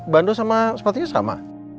bandu sama sepatunya sama